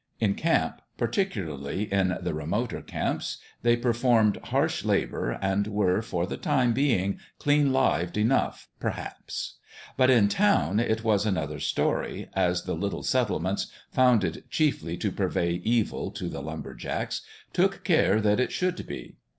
In camp particularly in the remoter camps they performed harsh labour and were for the time being clean lived enough, perhaps ; but in town it was another story, as the little settlements, founded chiefly to purvey evil to the lumber jacks, took care that it should be.